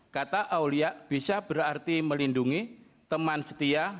kata aulia bisa berarti melindungi teman setia